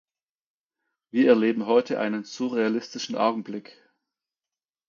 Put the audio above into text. Wir erleben heute einen surrealistischen Augenblick.